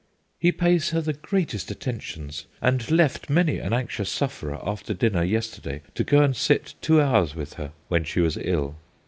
' He pays her the greatest attentions, and left many an anxious sufferer after dinner yesterday to go and sit two hours with her/ when she was ill.